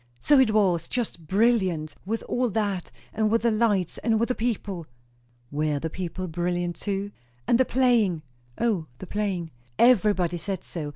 "So it was, just brilliant, with all that, and with the lights, and with the people." "Were the people brilliant too?" "And the playing." "O, the playing!" "Everybody said so.